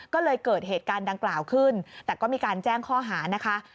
ก็เลยเกิดเหตุการณ์ดังกล่าวขึ้นแต่ก็มีการแจ้งข้อหานะคะ